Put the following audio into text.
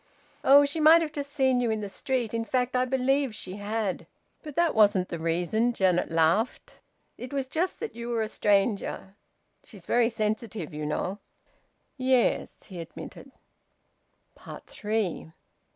"Oh! She might have just seen you in the street. In fact I believe she had. But that wasn't the reason," Janet laughed. "It was just that you were a stranger. She's very sensitive, you know." "Ye es," he admitted. THREE.